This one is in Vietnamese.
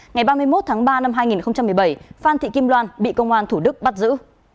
ngày ba mươi một tháng ba năm hai nghìn một mươi bảy phan thị kim loan bị công an thủ đức bắt giữ